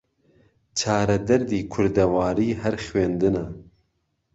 چارە دەردی کوردەواری هەر خوێندنە